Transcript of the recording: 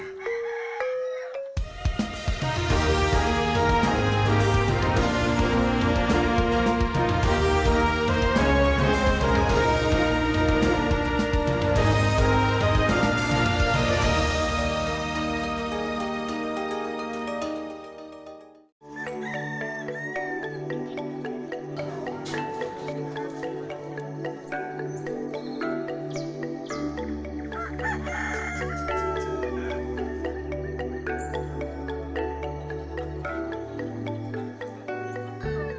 masa tidak dekat